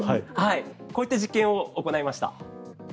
こういった実験を行いました。